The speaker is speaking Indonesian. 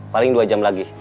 paling dua jam lagi